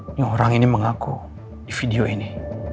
ini orang ini mengaku di video ini